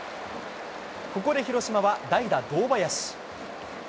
ここで広島は代打、堂林。